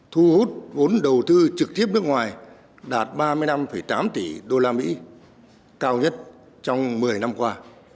thu hút vốn đầu tư trực tiếp nước ngoài đạt ba mươi năm tám tỷ usd cao nhất trong một mươi năm qua